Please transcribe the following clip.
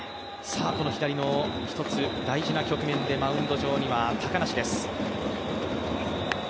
この大事な局面でマウンドには高梨です。